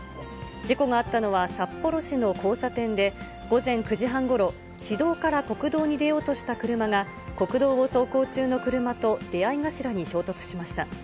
事故があったのは、札幌市の交差点で、午前９時半ごろ、市道から国道に出ようとした車が、国道を走行中の車と出会い頭に衝突しました。